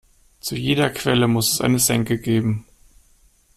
Zu jeder Quelle muss es eine Senke geben.